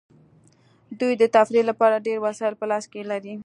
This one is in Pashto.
دوی د تفریح لپاره ډیر وسایل په لاس کې لري